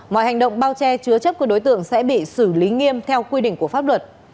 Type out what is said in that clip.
mọi hành động bao che chứa chấp của đối tượng sẽ bị xử lý nghiêm theo quy định của pháp luật